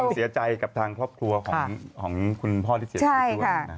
ความเสียใจกับทางครอบครัวของคุณพ่อที่เจ็บด้วย